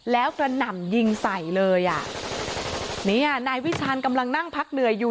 แล้วกระหน่ำยิงใส่เลยอ่ะนี่อ่ะนายวิชาณกำลังนั่งพักเหนื่อยอยู่